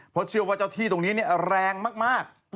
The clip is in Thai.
ก็บอกว่าเจ้าที่ตรงนี้เนี่ยแรงมาก